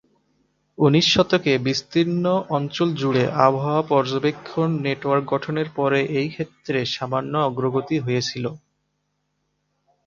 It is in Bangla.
উনিশ শতকে বিস্তীর্ণ অঞ্চল জুড়ে আবহাওয়া পর্যবেক্ষণ নেটওয়ার্ক গঠনের পরে এই ক্ষেত্রে সামান্য অগ্রগতি হয়েছিলো।